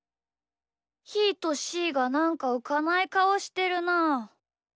ひーとしーがなんかうかないかおしてるなあ。